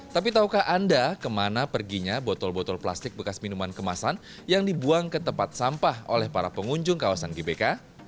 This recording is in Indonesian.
tapi tahukah anda kemana perginya botol botol plastik bekas minuman kemasan yang dibuang ke tempat sampah oleh para pengunjung kawasan gbk